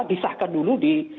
disahkan dulu di